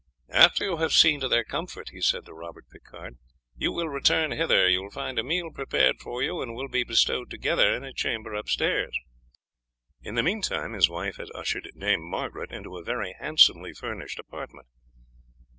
"After you have seen to their comfort," he said to Robert Picard, "you will return hither; you will find a meal prepared for you, and will be bestowed together in a chamber upstairs." In the meantime his wife had ushered Dame Margaret into a very handsomely furnished apartment.